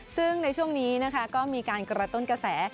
ซึ่งในช่วงนี้นะคะก็มีการกระตุ้นกระแส